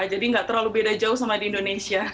jadi enggak terlalu beda jauh sama di indonesia